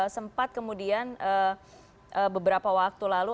sempat kemudian beberapa waktu lalu